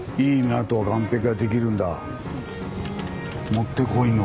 もってこいの。